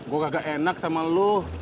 gue gak enak sama lu